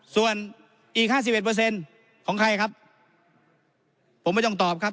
ส่วนอีก๕๑ของใครครับผมไม่ต้องตอบครับ